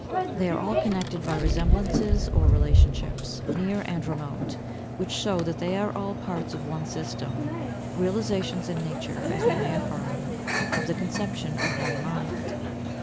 They are all connected by resemblances or relationships, near and remote, which show that they are all parts of one system, realizations in nature, as we may affirm, of the conception of One Mind.